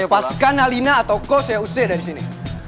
lepaskan alina atau kau saya usir dari sini